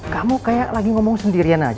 kamu kayak lagi ngomong sendirian aja